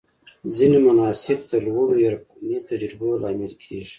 ځینې مناسک د لوړو عرفاني تجربو لامل کېږي.